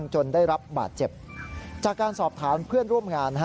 จากการสอบถามเพื่อนร่วมงาน